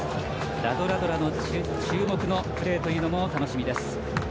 ラドラドラの注目のプレーというのも楽しみです。